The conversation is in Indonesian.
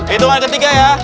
itu kan ketiga ya